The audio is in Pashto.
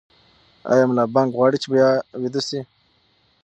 ایا ملا بانګ غواړي چې بیا ویده شي؟